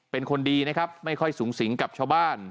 เป็นคนดีนะครับไม่ค่อยสูงสิงกับชาวบ้าน